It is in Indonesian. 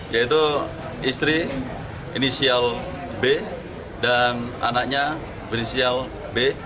yaitu istri inisial b dan anaknya berinisial b